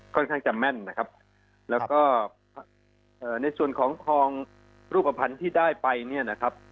ค่อนข้างจะแม่นนะครับแล้วก็เอ่อในส่วนของทองรูปภัณฑ์ที่ได้ไปเนี่ยนะครับ